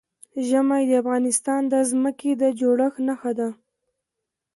ژمی د افغانستان د ځمکې د جوړښت نښه ده.